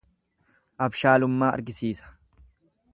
Abshaalummaa argisiisa.